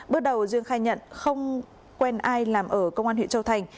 bước đầu dương khai nhận không quen ai làm ở công an huyện châu thành